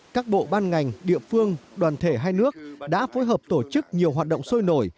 các bộ ban ngành địa phương đoàn thể hai nước đã phối hợp tổ chức nhiều hoạt động sôi nổi